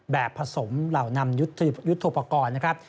ผสมเหล่านำยุทธโปรกรณ์นะครับ